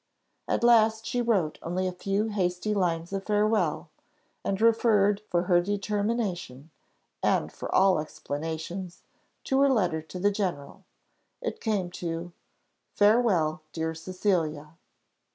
At last she wrote only a few hasty lines of farewell, and referred for her determination, and for all explanations, to her letter to the general. It came to "Farewell, dear Cecilia."